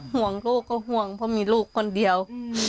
ห่วงลูกก็ห่วงเพราะมีลูกคนเดียว